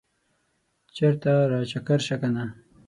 چرته راچکر شه کنه